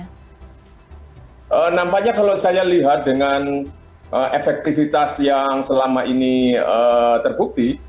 nah nampaknya kalau saya lihat dengan efektivitas yang selama ini terbukti